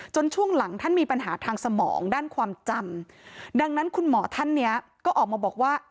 ช่วงหลังท่านมีปัญหาทางสมองด้านความจำดังนั้นคุณหมอท่านเนี้ยก็ออกมาบอกว่า